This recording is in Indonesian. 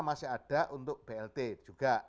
masih ada untuk blt juga